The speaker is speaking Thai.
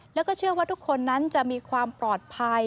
แล้วก็เชื่อว่าทุกคนนั้นจะมีความปลอดภัย